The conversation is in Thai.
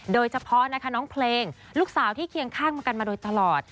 โดยเฉพาะนะคะน้องเพลงลูกสาวที่เคียงข้างมากันมาโดยตลอด